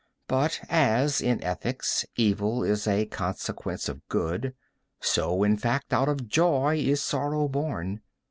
But as, in ethics, evil is a consequence of good, so, in fact, out of joy is sorrow born.